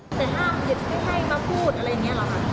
แต่ห้ามหยิบไม่ให้มาพูดอะไรอย่างนี้หรอค่ะ